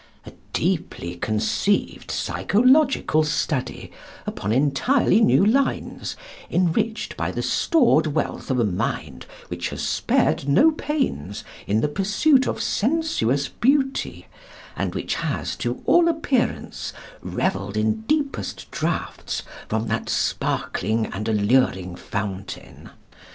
A deeply conceived psychological study, upon entirely new lines, enriched by the stored wealth of a mind which has spared no pains in the pursuit of sensuous beauty, and which has, to all appearance, revelled in deepest draughts from that sparkling and alluring fountain.